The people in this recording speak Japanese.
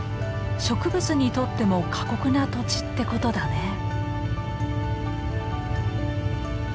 植物にとっても過酷な土地ってことだね。